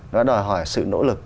nó đòi hỏi sự nỗ lực